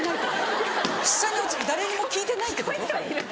誰も聞いてないってこと？